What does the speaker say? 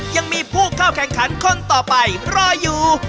ยังมีผู้เข้าแข่งขันคนต่อไปรออยู่